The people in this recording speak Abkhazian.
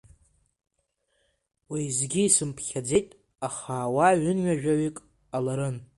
Уеизгьы исымԥхьаӡеит, аха уаа ҩынҩажәаҩык ҟаларын.